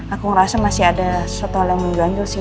aku ngerasa masih ada sesuatu hal yang mengganjur sih